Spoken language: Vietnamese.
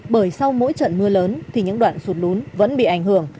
bởi sau mỗi trận mưa lớn thì những đoạn sụt lún vẫn bị ảnh hưởng